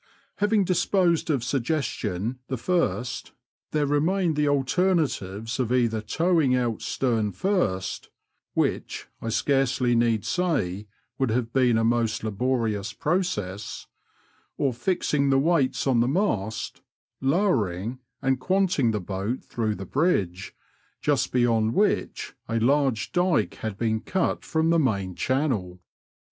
Having disposed of suggestion the first, there remained the alternatives of either towing out stern first (which, I scarcely need say, would have been a most laborious process) or fixing the weights on the mast, lowering, and quanting the boat through the bridge, just beyond which a large dyke had been cut from the main channel.